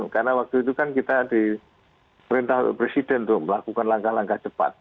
karena waktu itu kan kita di perintah presiden untuk melakukan langkah langkah cepat